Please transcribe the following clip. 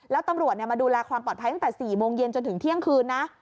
แล้วตำรวจมาดูแลความปลอดภัยตั้งแต่๔โมงเย็นจนถึงเที่ยงคืนนะ